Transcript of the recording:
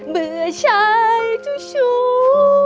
เบื่อชายชู้ชู้